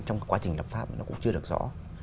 trong cái quá trình lập pháp nó cũng chưa được rõ